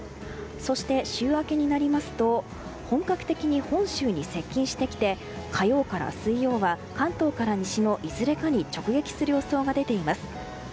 そして週明けになりますと本格的に本州に接近してきて火曜から水曜は関東から西のいずれかに直撃する予想が出ています。